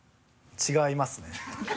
・違いますね。